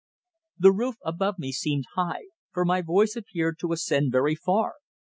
The roof above me seemed high, for my voice appeared to ascend very far.